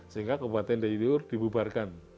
sehingga kabupaten dayi luhur dibubarkan